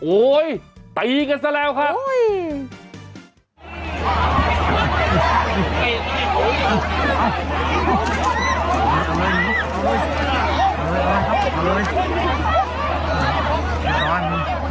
โอ๊ยตีกันซะแล้วครับโอ้ย